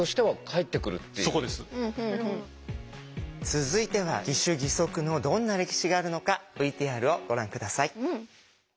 続いては義手義足のどんな歴史があるのかＶＴＲをご覧下さい。